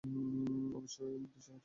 অবশ্য ওই নির্দেশ কার্যকর করতে।